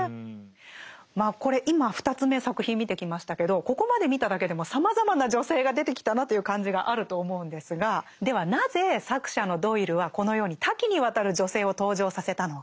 まあこれ今２つ目作品見てきましたけどここまで見ただけでもさまざまな女性が出てきたなという感じがあると思うんですがではなぜ作者のドイルはこのように多岐にわたる女性を登場させたのか。